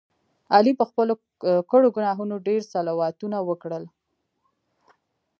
علي په خپلو کړو ګناهونو ډېر صلواتونه وکړل.